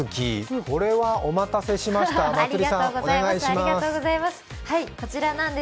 これはお待たせしました、まつりさん。